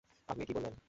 আপনি কী বললেন?